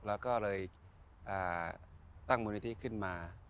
แล้วก็เลยตั้งมูลนิธิขึ้นมา